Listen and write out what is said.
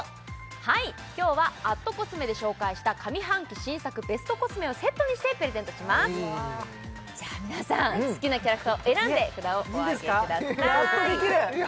はい今日は＠ｃｏｓｍｅで紹介した上半期新作ベストコスメをセットにしてプレゼントしますじゃ皆さん好きなキャラクターを選んで札をお上げくださいいいんですか！？